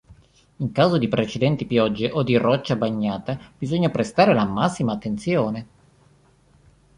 In caso di precedenti piogge o di roccia bagnata bisogna prestare la massima attenzione.